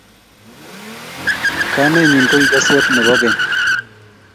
kamenyi koki koswot nebo keny